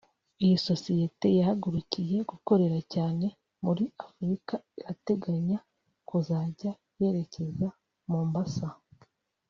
Iyi sosiyete yahagurukiye gukorera cyane muri Afurika irateganya kuzajya yerekeza Mombasa